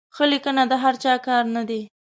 ښه لیکنه د هر چا کار نه دی.